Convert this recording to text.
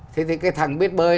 thế thì cái thằng biết bơi